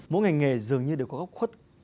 mỗi ngành nghề dường như đều có góc khuất